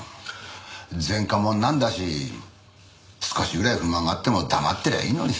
前科者なんだし少しぐらい不満があっても黙ってりゃいいのに。